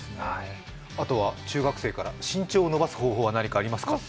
あとは中学生から身長を伸ばす方法は何かありますか？